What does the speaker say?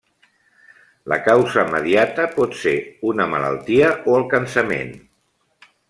La causa mediata pot ser una malaltia o el cansament.